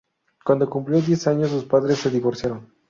Cuando cumplió diez años, sus padres se divorciaron.